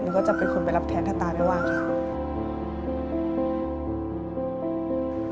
ก็จะเป็นคนไปรับแทนถ้าตาไม่ว่างค่ะ